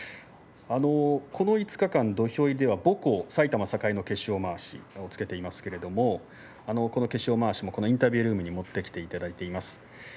この５日間、土俵入りでは母校、埼玉栄の化粧まわしをつけていますけれどもこの化粧まわしもインタビュールームに持ってきていただいております。